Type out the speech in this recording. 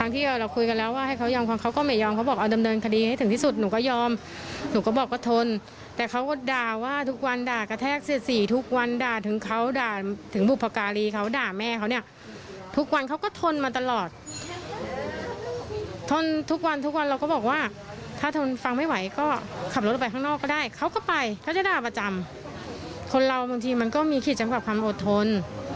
ก็จะด่าประจำคนเราบางทีมันก็มีคิดจำกับความอดทน